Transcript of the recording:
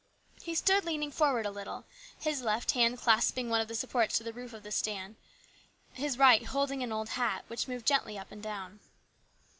He stood leaning forward a little, his left hand clasping one of the supports to the roof of the stand, his right holding an old hat which moved gently up and down.